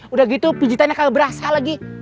udah gitu pijetannya gak berasa lagi